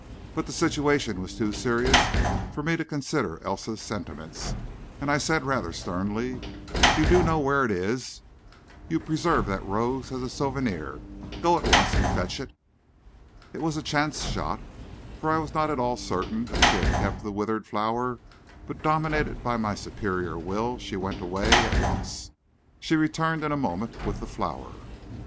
But the situation was too serious for me to consider Elsa's sentiments, and I said, rather sternly: "You do know where it is. You preserved that rose as a souvenir. Go at once and fetch it." It was a chance shot, for I was not at all certain that she had kept the withered flower, but dominated by my superior will she went away at once. She returned in a moment with the flower.